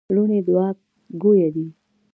لوڼي دوعا ګویه دي.